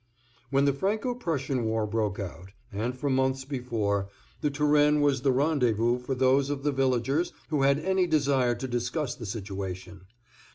When the Franco Prussian war broke out, and for months before, The Turenne was the rendezvous for those of the villagers who had any desire to discuss the situation.